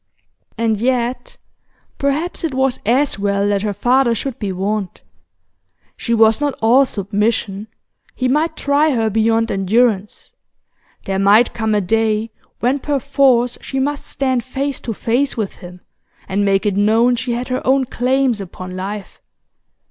And yet, perhaps it was as well that her father should be warned. She was not all submission, he might try her beyond endurance; there might come a day when perforce she must stand face to face with him, and make it known she had her own claims upon life.